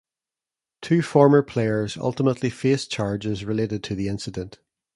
Two former players ultimately faced charges related to the incident.